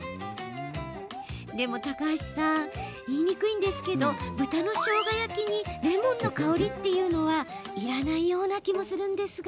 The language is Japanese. でも高橋さん言いにくいんですが豚のしょうが焼きにレモンの香りはいらない気もするんですが。